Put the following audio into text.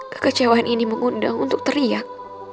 kekecewaan ini mengundang untuk teriak